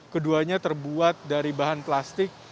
keduanya terbuat dari bahan plastik